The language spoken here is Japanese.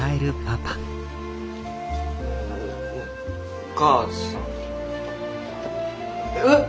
お母さんえっ？